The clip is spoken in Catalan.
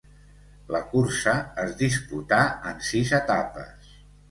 La cursa es disputà en sis etapes.